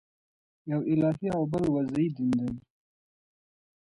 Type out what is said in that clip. یو الهي او بل وضعي دین دئ.